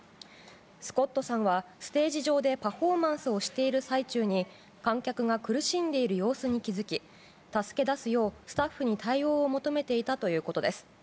スコットさんはステージ上でパフォーマンスをしている最中に観客が苦しんでいる様子に気づき助け出すようスタッフに対応を求めていたということです。